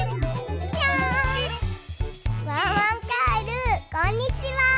ワンワンカエルこんにちは！